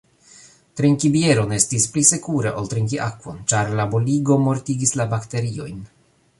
Trinki bieron estis pli sekure ol trinki akvon, ĉar la boligo mortigis la bakteriojn.